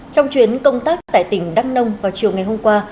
trong chuyến công tác tại tỉnh đắk nông vào chiều ngày hôm qua